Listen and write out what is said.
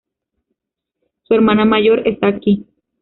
Su hermana mayor está aquí.